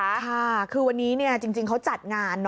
ค่ะคือวันนี้จริงเขาจัดงานนะ